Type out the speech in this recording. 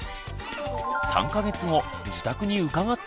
３か月後自宅に伺ってみると。